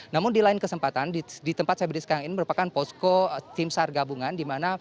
namun di lain kesempatan di tempat saya berdiri sekarang ini merupakan posko tim sar gabungan